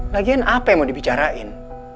lagiin apa yang mau dibicarain